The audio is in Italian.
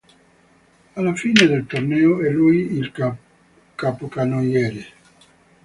Alla fine del torneo è lui il capocannoniere.